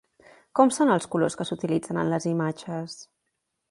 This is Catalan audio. Com són els colors que s'utilitzen en les imatges?